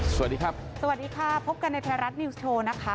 สวัสดีครับสวัสดีค่ะพบกันในไทยรัฐนิวส์โชว์นะคะ